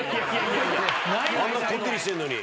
あんなこってりしてんのに。